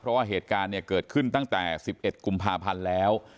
เพราะว่าเหตุการณ์เนี่ยเกิดขึ้นตั้งแต่๑๑กุมภาพันธ์แล้ว